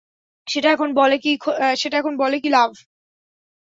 সেটা এখন বলে কী লাভ?